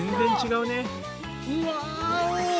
うわお！